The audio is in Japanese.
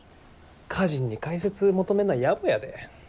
歌人に解説求めんのはやぼやで。